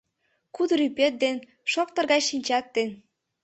Кудыр ӱпет ден, шоптыр гай шинчат ден